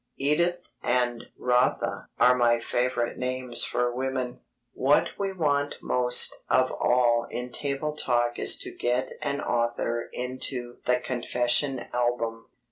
Edith and Rotha are my favourite names for women." What we want most of all in table talk is to get an author into the confession album.